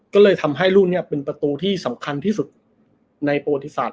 ก็เลยทำให้ลูกนี้เป็นประตูที่สำคัญที่สุดในประวัติศาสต